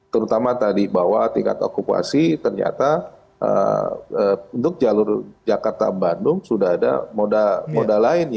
terutama tadi bahwa tingkat okupasi ternyata untuk jalur jakarta bandung sudah ada moda lain